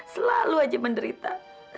selalu aja menderita